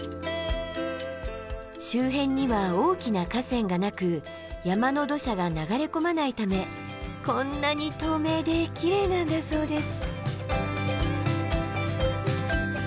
周辺には大きな河川がなく山の土砂が流れ込まないためこんなに透明できれいなんだそうです。